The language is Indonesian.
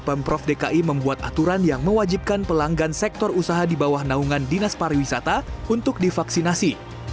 pemprov dki membuat aturan yang mewajibkan pelanggan sektor usaha di bawah naungan dinas pariwisata untuk divaksinasi